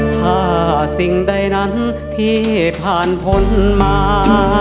ถ้าสิ่งใดนั้นที่ผ่านพ้นมา